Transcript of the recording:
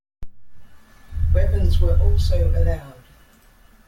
Weapons were also allowed.